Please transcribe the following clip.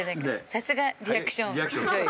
さすがリアクション女優。